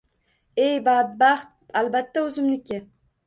Ey, badbaxt, albatta o‘zimniki